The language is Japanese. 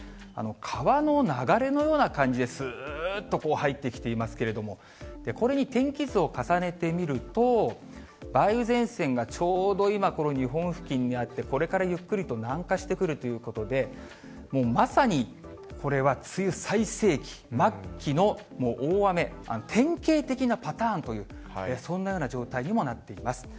川の流れのような感じで、すーっと入ってきていますけれども、これに天気図を重ねてみると、梅雨前線がちょうど今、この日本付近にあって、これからゆっくりと南下してくるということで、もうまさに、これは梅雨最盛期、末期のもう大雨、典型的なパターンという、そんなような状態にもなっています。